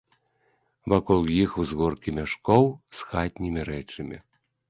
Вакол іх узгоркі мяшкоў з хатнімі рэчамі.